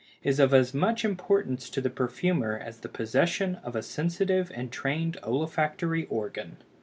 is of as much importance to the perfumer as the possession of a sensitive and trained olfactory organ.